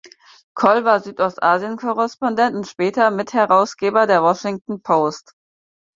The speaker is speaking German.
Coll war Südostasien-Korrespondent und später Mitherausgeber der Washington Post.